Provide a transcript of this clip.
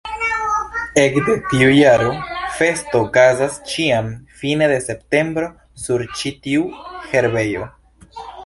Ekde tiu jaro festo okazas ĉiam fine de septembro sur ĉi-tiu herbejo.